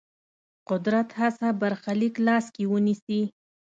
قدرت هڅه برخلیک لاس کې ونیسي.